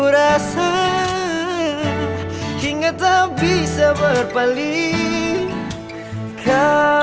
rasenging atau bisa berpaling ke